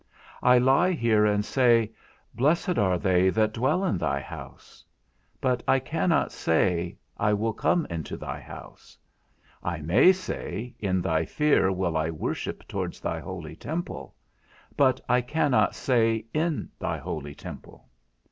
I lie here and say, Blessed are they that dwell in thy house; but I cannot say, I will come into thy house; I may say, In thy fear will I worship towards thy holy temple; but I cannot say in thy holy temple.